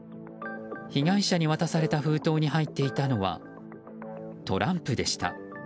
被害者に渡された封筒に入っていたのはトランプでした。